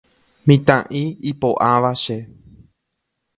Mitã'i ipo'áva che